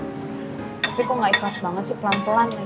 tapi kok gak ikhlas banget sih pelan pelan nih